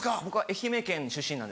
僕は愛媛県出身。